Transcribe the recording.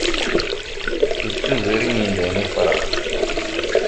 Ittuger imendayen ifrax.